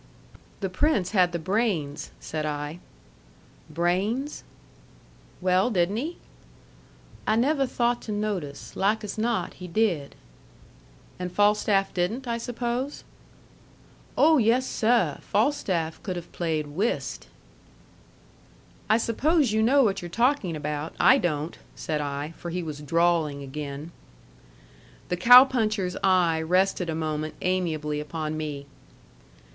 "The Prince had the brains," said I. "Brains?" "Well, didn't he?" "I neveh thought to notice. Like as not he did." "And Falstaff didn't, I suppose?" "Oh, yes, seh! Falstaff could have played whist." "I suppose you know what you're talking about; I don't," said I, for he was drawling again. The cow puncher's eye rested a moment amiably upon me.